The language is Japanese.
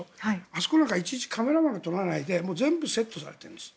あそこなんかはいちいちカメラマンが撮らないで全部セットされているんです。